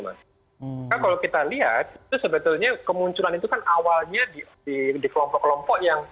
karena kalau kita lihat itu sebetulnya kemunculan itu kan awalnya di kelompok kelompok yang